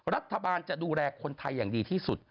รัฐบาลจะดูแลคนไทยอย่างดีที่สุด